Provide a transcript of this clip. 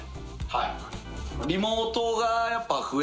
はい。